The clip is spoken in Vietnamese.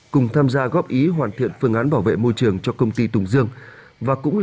cùng tham gia góp ý hoàn thiện phương án bảo vệ môi trường cho công ty tùng dương